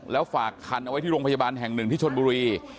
แล้วฝากคันเอาไว้ที่โรงพยาบาลแห่งหนึ่งที่ชนบุรี